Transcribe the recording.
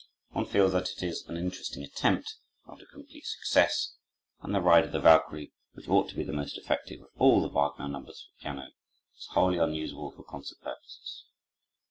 One feels that it is an interesting attempt, not a complete success; and the "Ride of the Walkyrie," which ought to be the most effective of all the Wagner numbers for piano, is wholly unusable for concert purposes.